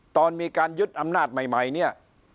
ตอนมีการยึดอำนาจใหม่เนี่ย